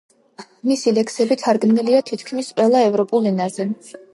მისი ლექსები თარგმნილია თითქმის ყველა ევროპულ ენაზე.